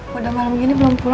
kita terus bercoba